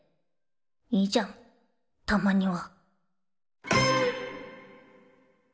いいじゃんたまには。